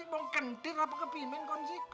mau kentir apa kepimin kan sih